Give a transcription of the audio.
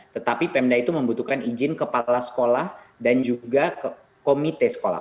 tetapi pemda itu membutuhkan izin kepala sekolah dan juga komite sekolah